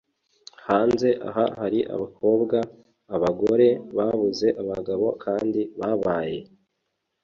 Hanze aha hari abakobwa/abagore babuze abagabo kandi babaye